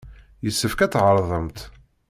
Yessefk ad tɛerḍemt.